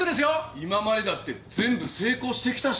今までだって全部成功してきたし！